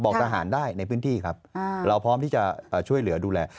ทหารได้ในพื้นที่ครับเราพร้อมที่จะช่วยเหลือดูแล